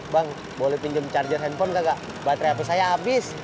bang boleh pinjem charger handphone kagak baterai hape saya abis